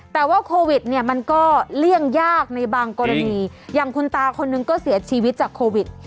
แต่ว่าโควิดเนี่ยมันก็เลี่ยงยากในบางกรณีอย่างคุณตาคนนึงก็เสียชีวิตจากโควิด